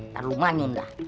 nanti lo manyun dah